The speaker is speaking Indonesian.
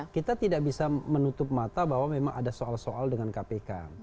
kita tidak bisa menutup mata bahwa memang ada soal soal dengan kpk